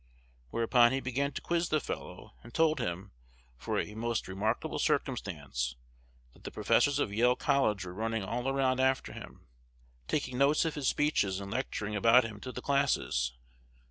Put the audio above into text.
Whereupon he began to quiz the fellow, and told him, for a most "remarkable circumstance," that the professors of Yale College were running all around after him, taking notes of his speeches, and lecturing about him to the classes.